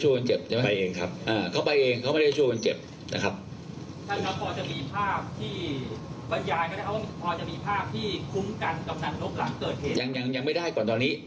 จะมีภาพที่คุ้มกันกับหนังลบหลังเกิดเหตุยังยังยังไม่ได้ก่อนตอนนี้